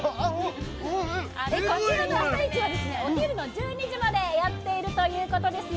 こちらの朝市はお昼の１２時までやっているということですよ。